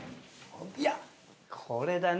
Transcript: いやこれだね。